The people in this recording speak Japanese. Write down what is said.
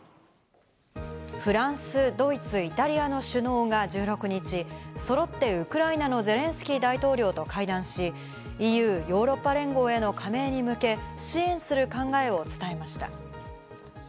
フランス、ドイツ、イタリアの首脳が１６日、そろってウクライナのゼレンスキー大統領と会談し、ＥＵ＝ヨーロッパ連合への加盟に向け、支援する考えを示しました。